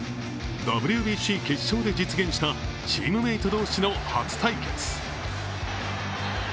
ＷＢＣ決勝で実現したチームメイト同士の初対決。